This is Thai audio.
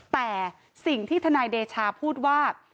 แต่สิ่งที่ทนายเดชาพูดว่า